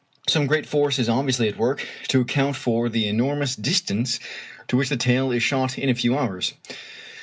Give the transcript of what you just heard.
Some great force is obviously at work to account for the enormous distance to which the tail is shot in a few hours.